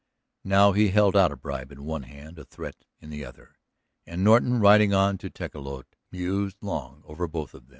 Now he held out a bribe in one hand, a threat in the other, and Norton riding on to Tecolote mused long over them both.